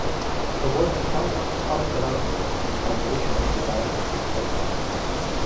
The work in complex product development became a foundation of "Design For Six Sigma".